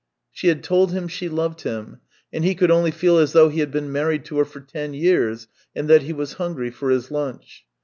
She had told him she loved him, and he could only feel as though he had been married to her for ten years, and that he was hungry for his lunch.